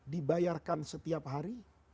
dibayarkan setiap hari